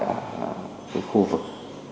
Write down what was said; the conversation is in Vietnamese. ở cái khu vực